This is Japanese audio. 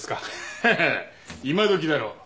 ハハッ今どきだろう？